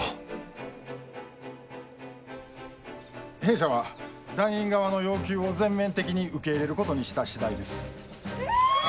「弊社は団員側の要求を全面的に受け入れることにした次第です」。